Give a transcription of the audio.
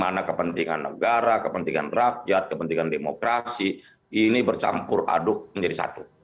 karena kepentingan negara kepentingan rakyat kepentingan demokrasi ini bercampur aduk menjadi satu